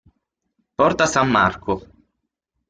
Porta San Marco